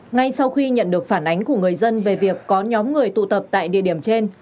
ngay sau khi nhận được phản ánh của người dân về việc có nhóm người tụ tập tại địa điểm trên